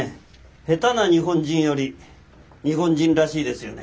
下手な日本人より日本人らしいですよね。